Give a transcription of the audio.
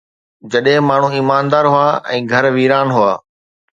جڏهن ماڻهو ايماندار هئا ۽ گهر ويران هئا